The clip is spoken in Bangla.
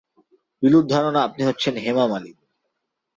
বিলুর ধারণা, আপনি হচ্ছেন হেমা মালিনী।